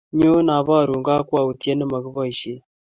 Nyoo aboru kakwoutiet ne mokeboisien